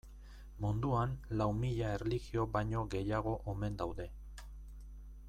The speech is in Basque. Munduan lau mila erlijio baino gehiago omen daude.